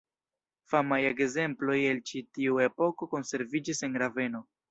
Famaj ekzemploj el ĉi tiu epoko konserviĝis en Raveno.